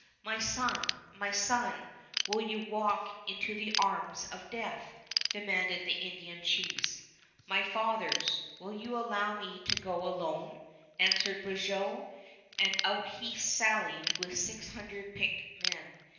"My son, my son, will you walk into the arms of death?" demanded the Indian chiefs. "My fathers, will you allow me to go alone?" answered Beaujeu; and out he sallied with six hundred picked men.